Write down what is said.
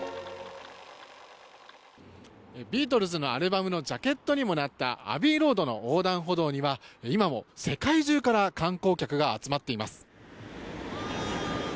ビートルズのアルバムのジャケットにもなったアビイ・ロードの横断歩道には今も世界中から観光客が集まっています。